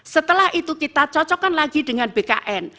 setelah itu kita cocokkan lagi dengan bkn